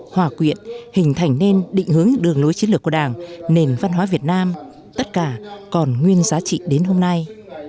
hòa quyện hình thành nên định hướng đường lối chiến lược của đảng nền văn hóa việt nam tất cả còn nguyên giá trị đến hôm nay